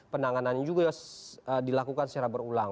penanganannya juga dilakukan secara berulang